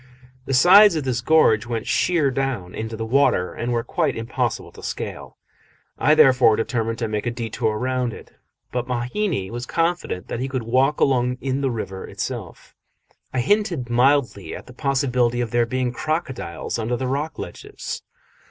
The sides of this gorge went sheer down into the water, and were quite impossible to scale. I therefore determined to make a detour round it, but Mahina was confident that he could walk along in the river itself. I hinted mildly at the possibility of there being crocodiles under the rocky ledges.